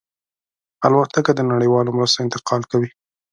الوتکه د نړیوالو مرستو انتقال کوي.